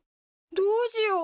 どうしよう。